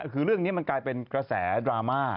คือเรื่องนี้มันกลายเป็นกระแสดราม่า